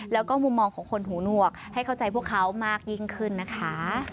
แล้วก็มุมมองของคนหูหนวกให้เข้าใจพวกเขามากยิ่งขึ้นนะคะ